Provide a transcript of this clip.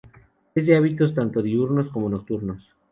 Es de hábitos tanto diurnos como nocturnos.